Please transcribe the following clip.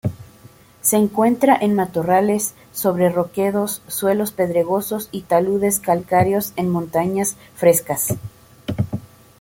Se encuentra en matorrales, sobre roquedos, suelos pedregosos y taludes calcáreos en montañas frescas.